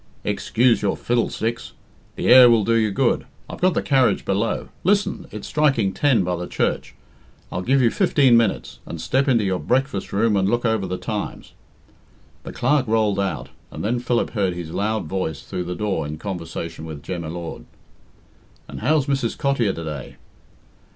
"Excuse your fiddlesticks! The air will do you good. I've got the carriage below. Listen! it's striking ten by the church. I'll give you fifteen minutes, and step into your breakfast room and look over the Times." The Clerk rolled out, and then Philip heard his loud voice through the door in conversation with Jem y Lord. "And how's Mrs. Cottier to day?"